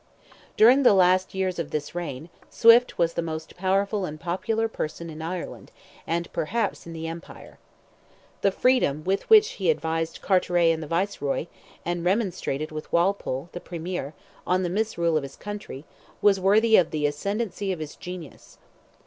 During the last years of this reign, Swift was the most powerful and popular person in Ireland, and perhaps in the empire. The freedom with which he advised Carteret the Viceroy, and remonstrated with Walpole, the Premier, on the misrule of his country, was worthy of the ascendancy of his genius.